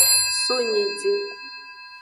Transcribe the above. So nyidin.